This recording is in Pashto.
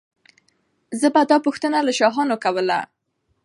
زه به دا پوښتنه له شاهانو کوله.